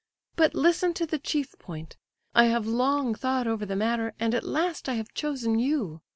But listen to the chief point. I have long thought over the matter, and at last I have chosen you.